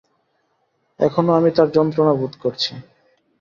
এখনও আমি তার যন্ত্রণা বোধ করছি।